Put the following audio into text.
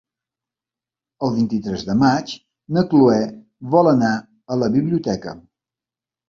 El vint-i-tres de maig na Cloè vol anar a la biblioteca.